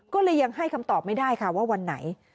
ก็เลยยังให้คำตอบไม่ได้ค่ะว่าวันไหน